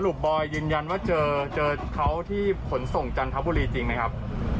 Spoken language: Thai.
บอยยืนยันว่าเจอเขาที่ขนส่งจันทบุรีจริงไหมครับ